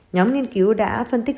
nhóm nghiên cứu đã phân tích